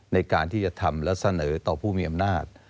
ในการที่จะทำและเสนอต่อผู้มีอำนาจ